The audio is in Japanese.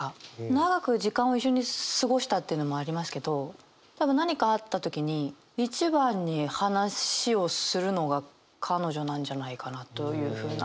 長く時間を一緒に過ごしたっていうのもありますけど多分何かあった時に一番に話をするのが彼女なんじゃないかなというふうな。